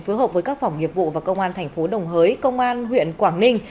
phối hợp với các phòng nghiệp vụ và công an thành phố đồng hới công an huyện quảng ninh